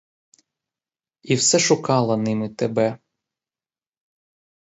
І все шукала ними тебе.